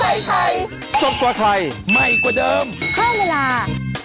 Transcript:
ไทยสดกว่าไทยใหม่กว่าเดิมเพิ่มเวลา